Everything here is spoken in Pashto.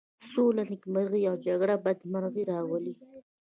سوله نېکمرغي او جگړه بدمرغي راولي.